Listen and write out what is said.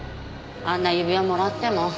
あんな指輪もらっても。